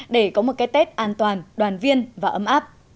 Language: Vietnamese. để có một cái tết an toàn đoàn viên và ấm áp